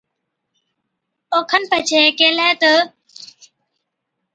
او کن پڇي ڪيهلَي تہ،